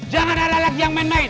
jangan ada lagi yang main main